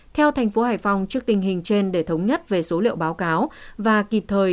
theo thành phố hải phòng trước tình hình trên để thống nhất về số liệu báo cáo và kịp thời